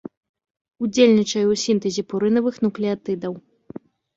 Ўдзельнічае ў сінтэзе пурынавых нуклеатыдаў.